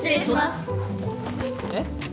えっ？